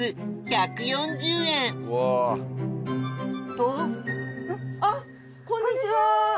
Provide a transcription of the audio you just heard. とあっこんにちは！